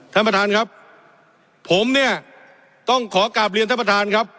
ท่านประธานครับผมเนี่ยต้องขอกลับเรียนท่านประธานครับ